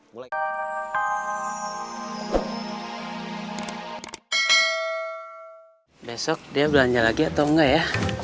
besok dia belanja lagi atau enggak ya